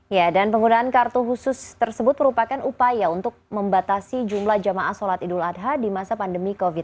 ya dan penggunaan kartu khusus tersebut merupakan upaya untuk membatasi jumlah jamaah sholat idul adha di masa pandemi covid sembilan belas